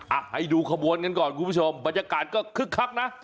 อ่ะให้ดูขบวนกันก่อนคุณผู้ชมบรรยากาศก็คึกคักนะ